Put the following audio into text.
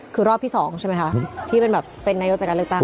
คือรอบที่๒ใช่ไหมคะที่เป็นแบบเป็นนายกจากการเลือกตั้ง